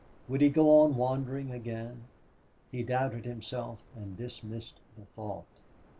Would he go on wandering again? He doubted himself and dismissed the thought.